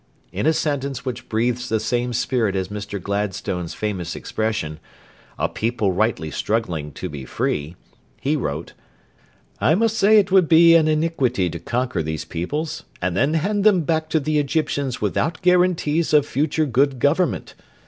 In a sentence which breathes the same spirit as Mr. Gladstone's famous expression, 'a people rightly struggling to be free,' he wrote: 'I must say that it would be an iniquity to conquer these peoples and then hand them back to the Egyptians without guarantees of future good government.'